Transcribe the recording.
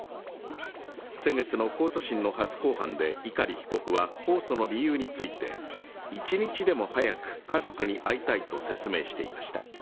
先月の控訴審の初公判で碇被告は控訴の理由について１日でも早く家族に会いたいと説明していました。